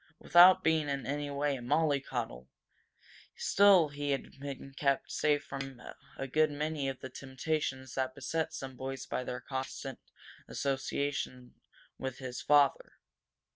Without being in any way a molly coddle, still he had been kept safe from a good many of the temptations that beset some boys by the constant association with his father.